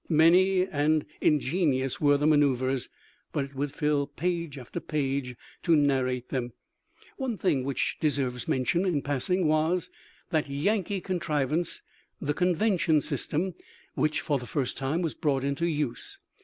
Many and ingenious were the manoeuvres, but it would fill page after page to narrate them. One thing which de serves mention in passing was " that Yankee con trivance," the convention system, which for the first time was brought into use.